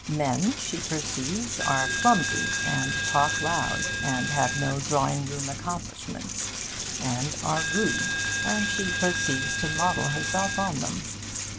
Men, she perceives, are clumsy, and talk loud, and have no drawing room accomplishments, and are rude; and she proceeds to model herself on them.